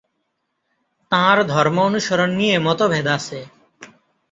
তাঁর ধর্ম-অনুসরণ নিয়ে মতভেদ আছে।